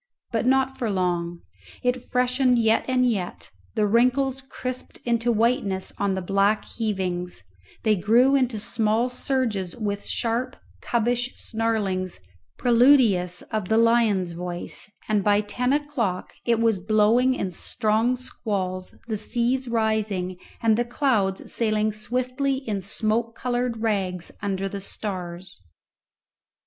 But not for long. It freshened yet and yet; the wrinkles crisped into whiteness on the black heavings; they grew into small surges with sharp cubbish snarlings preludious of the lion's voice; and by ten o'clock it was blowing in strong squalls, the seas rising, and the clouds sailing swiftly in smoke coloured rags under the stars.